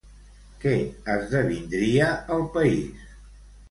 Què esdevindria el país?